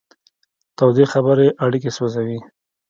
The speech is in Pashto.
تودې خبرې اړیکې سوځوي.